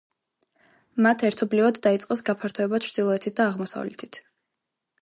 მათ ერთობლივად დაიწყეს გაფართოება ჩრდილოეთით და აღმოსავლეთით.